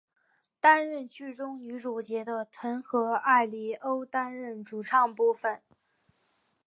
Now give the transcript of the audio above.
担任剧中女主角的藤和艾利欧担当主唱部分。